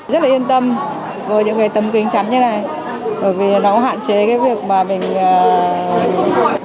rất là yên tâm với những cái tấm kính chắn như này bởi vì nó hạn chế cái việc mà mình